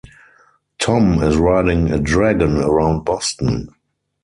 Tom is riding a dragon around Boston.